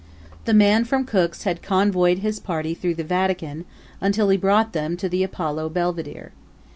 The man from Cook's had convoyed his party through the Vatican, until he brought them to the Apollo Belvidere.